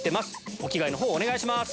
お着替えの方お願いします。